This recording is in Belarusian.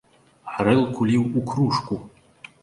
Гарэлку ліў у кружку!